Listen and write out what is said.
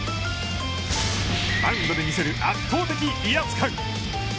マウンドで見せる圧倒的威圧感。